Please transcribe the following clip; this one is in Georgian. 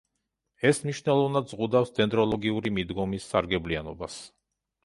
ეს მნიშვნელოვნად ზღუდავს დენდროლოგიური მიდგომის სარგებლიანობას.